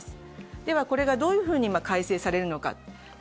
ではこれがどういうふうに改正されるのか。